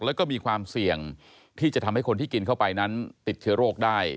แล้วก็มีความเสี่ยงที่จะทำให้คนที่กินเข้าไปนั้นติดเชื้อโรคได้